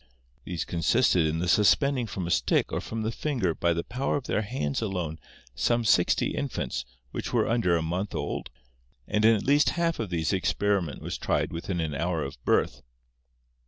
These consisted in the suspend ing from a stick or from the finger by the power of their hands alone some sixty infants which were under a month old, and in at least half of these the experiment was tried within an hour of birth.